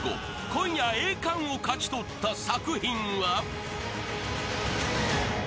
今夜栄冠を勝ち取った作品は］